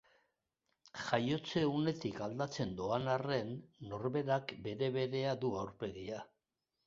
Jaiotze unetik aldatzen doan arren, norberak bere berea du aurpegia.